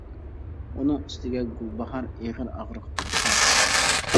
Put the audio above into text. ئۇنىڭ ئۈستىگە گۈلباھار ئېغىر ئاغرىق تۇرسا.